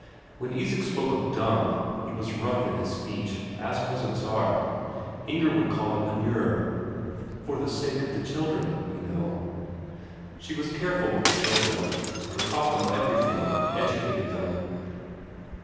When Isak spoke of dung, and was rough in his speech, as peasants are, Inger would call it manure, "for the sake of the children, you know." She was careful with the children, and taught them everything, educated them.